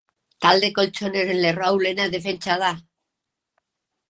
Talde koltxoneroaren lerro ahulena defentsa da.